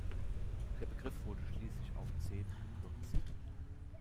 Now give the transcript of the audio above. Der Begriff wurde schließlich auf „Zeeb“ gekürzt.